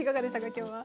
今日は。